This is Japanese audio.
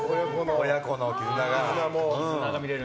親子の絆が。